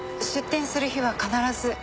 出店する日は必ず。